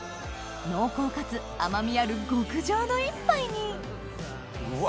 濃厚かつ甘味ある極上の一杯にうわ